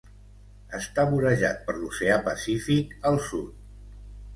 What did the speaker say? Està vorejat per l'Oceà Pacífic al sud.